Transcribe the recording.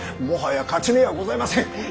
もはや勝ち目はございません。